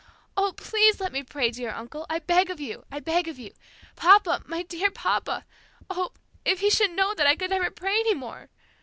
Oh, please let me pray, dear uncle. I beg of you, I beg of you. Papa, my dear papa, oh, if he should know that I could never pray anymore!